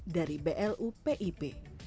dari blu pip